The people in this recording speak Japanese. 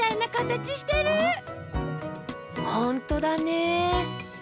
ほんとだね。